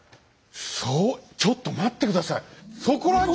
そうちょっと待って下さい！